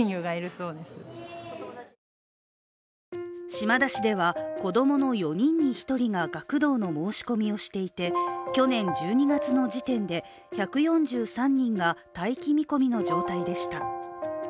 島田市では子供の４人に１人が学童の申し込みをしていて、去年１２月の時点で１４３人が待機見込みの状態でした。